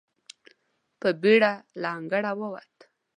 په بېړه له انګړه ووت.